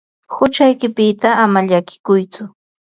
Huchaykipita ama llakikuytsu.